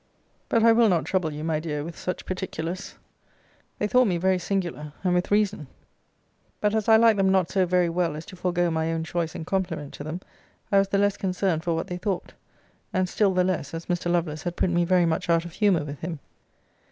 But I will not trouble you, my dear, with such particulars. They thought me very singular; and with reason: but as I liked them not so very well as to forego my own choice in compliment to them, I was the less concerned for what they thought. And still the less, as Mr. Lovelace had put me very much out of humour with him.